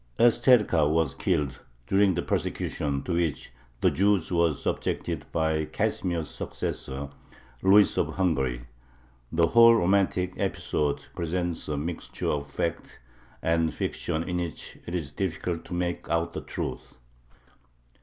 Estherka was killed during the persecution to which the Jews were subjected by Casimir's successor, Louis of Hungary. The whole romantic episode presents a mixture of fact and fiction in which it is difficult to make out the truth.